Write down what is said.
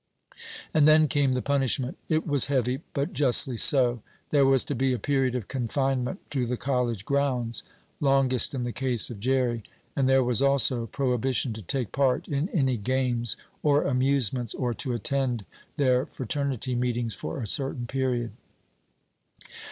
And then came the punishment. It was heavy, but justly so. There was to be a period of confinement to the college grounds, longest in the case of Jerry, and there was also prohibition to take part in any games or amusements, or to attend their fraternity meetings for a certain period.